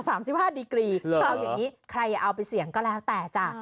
เอาอย่างนี้ใครเอาไปเสี่ยงก็แล้วแต่จ้ะ